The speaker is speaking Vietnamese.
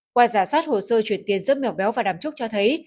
qua giả sát hồ sơ truyền tiền giúp mèo béo và đàm trúc cho thấy